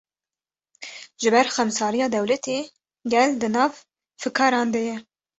Ji ber xemsariya dewletê, gel di nav fikaran de ye